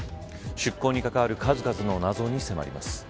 出航に関わる数々の謎に迫ります。